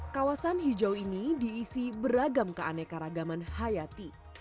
kawasan hijau ini diisi beragam keanekaragaman hayati